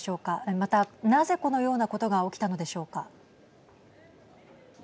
また、なぜこのようなことが起きたのでしょうか。